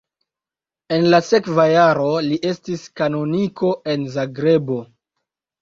En la sekva jaro li estis kanoniko en Zagrebo.